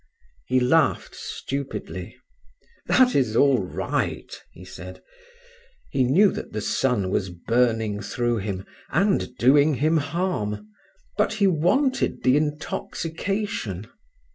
He laughed stupidly. "That is all right," he said. He knew that the sun was burning through him, and doing him harm, but he wanted the intoxication.